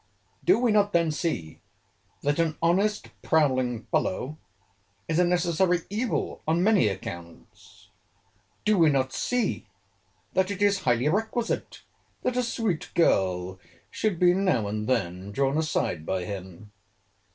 Do we not then see, that an honest prowling fellow is a necessary evil on many accounts? Do we not see that it is highly requisite that a sweet girl should be now and then drawn aside by him?